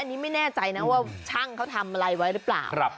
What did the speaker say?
อันนี้ไม่แน่ใจนะว่าช่างเขาทำอะไรไว้หรือเปล่า